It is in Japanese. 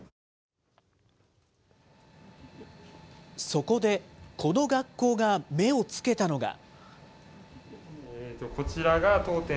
そこでこの学校が目をつけたのが。